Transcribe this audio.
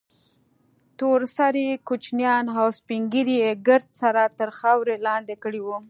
تور سرې کوچنيان او سپين ږيري يې ګرد سره تر خارور لاندې کړي وو.